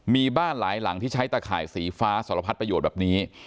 มีบ้านหลายหลังที่ใช้ตะข่ายสีฟ้าสารพัดประโยชน์แบบนี้